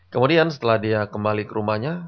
kemudian setelah dia kembali ke rumahnya